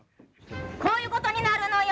こういうことになるのよ！